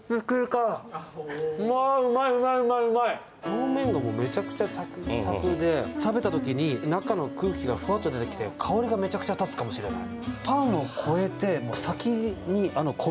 表面がめちゃくちゃサクサクで食べたときに中の空気がふわっと出てきて香りがめちゃくちゃ立つかもしれない。